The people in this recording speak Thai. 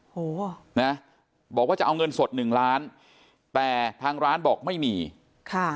โหนะบอกว่าจะเอาเงินสดหนึ่งล้านแต่ทางร้านบอกไม่มีค่ะ